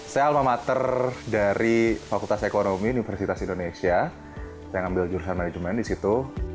saya alma mater dari fakultas ekonomi universitas indonesia saya ambil jurusan manajemen di situ